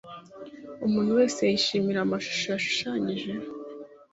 Umuntu wese yishimira amashusho yashushanyije.